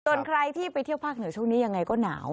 ส่วนใครที่ไปเที่ยวภาคเหนือช่วงนี้ยังไงก็หนาว